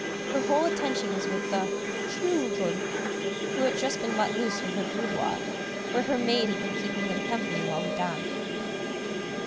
Her whole attention was with the "children," who had just been let loose from her boudoir, where her maid had been keeping them company while we dined.